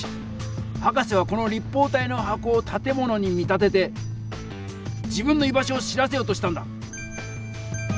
博士はこの立方体のはこをたてものに見立てて自分の居場所を知らせようとしたんだ。